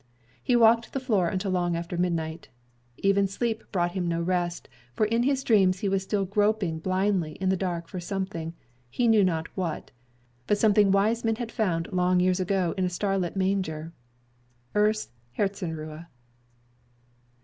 He walked the floor until long after midnight. Even sleep brought him no rest, for in his dreams he was still groping blindly in the dark for something he knew not what but something wise men had found long years ago in a starlit manger, earth's "Herzenruhe."